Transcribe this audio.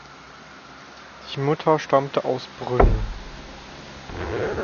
Die Mutter stammte aus Brünn ("Brno").